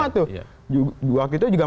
waktu itu juga menyusun